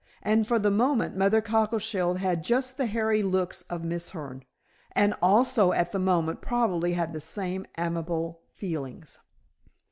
And for the moment Mother Cockleshell had just the hairy looks of Mrs. Hern, and also at the moment, probably had the same amiable feelings.